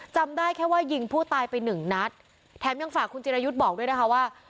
จำได้แค่ว่ายิงผู้ตายไปหนึ่งนัดแถมยังฝากคุณจิรายุทธ์บอกด้วยนะคะว่า